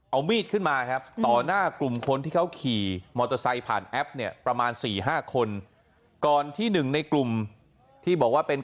เอามีดขึ้นมาต่อหน้ากลุ่มคนที่เขาขี่